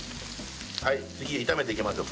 はい次炒めていきますよ